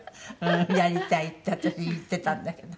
「やりたい」って私言ってたんだけど。